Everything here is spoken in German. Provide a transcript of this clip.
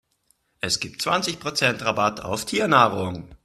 Es gibt zwanzig Prozent Rabatt auf Tiernahrung.